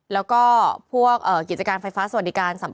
แล้วก็พวกกิจการไฟฟ้าสวัสดิการ